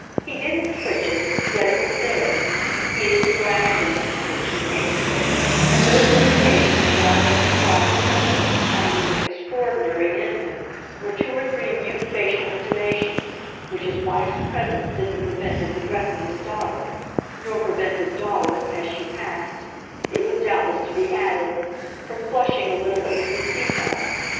He didn't twitch it, yet it was there; he didn't drag her, but she came; and those indications that I have described the Princess as finding extraordinary in him were two or three mute facial intimations which his wife's presence didn't prevent his addressing his daughter nor prevent his daughter, as she passed, it was doubtless to be added, from flushing a little at the receipt of.